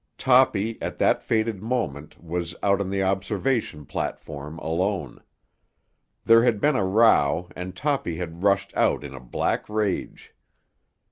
Toppy, at that fated moment, was out on the observation platform alone. There had been a row and Toppy had rushed out in a black rage.